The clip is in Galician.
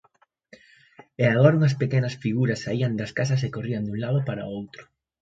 E agora unhas pequenas figuras saían das casas e corrían dun lado para outro...